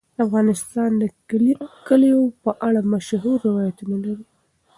افغانستان د کلیو په اړه مشهور روایتونه لري.